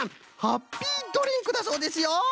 ハッピードリンクだそうですよ！